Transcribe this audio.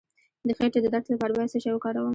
د خیټې د درد لپاره باید څه شی وکاروم؟